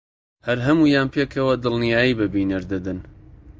هەر هەموویان پێکەوە دڵنیایی بە بینەر دەدەن